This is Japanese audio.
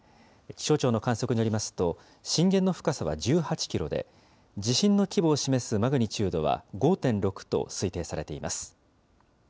気象庁の観測によりますと、震源の深さは１８キロで、地震の規模を示すマグニチュードは５．６と推定されています。